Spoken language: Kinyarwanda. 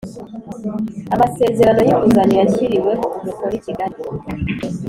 amasezerano y inguzanyo yashyiriweho umukono i Kigali